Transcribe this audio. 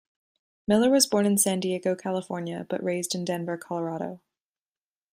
Miller was born in San Diego, California, but raised in Denver, Colorado.